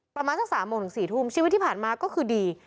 ประมาณสัก๓โมงถึง๔ทุ่มชีวิตที่ผ่านมาก็คือดี